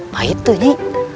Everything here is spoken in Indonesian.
pahit tuh nyai